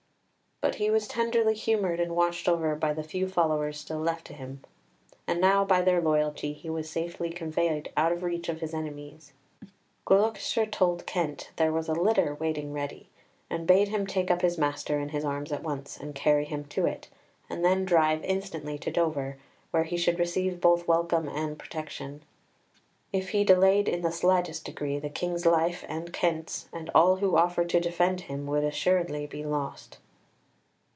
But he was tenderly humoured and watched over by the few followers still left to him, and now by their loyalty he was safely conveyed out of reach of his enemies. Gloucester told Kent there was a litter waiting ready, and bade him take up his master in his arms at once, and carry him to it, and then drive instantly to Dover, where he should receive both welcome and protection. If he delayed in the slightest degree, the King's life, and Kent's, and all who offered to defend him, would assuredly be lost.